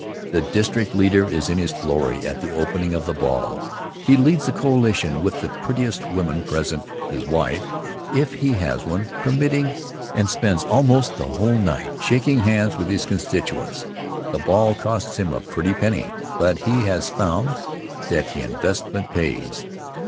The district leader is in his glory at the opening of the ball He leads the cotillion with the prettiest woman present his wife, if he has one, permitting and spends almost the whole night shaking hands with his constituents. The ball costs him a pretty penny, but he has found that the investment pays.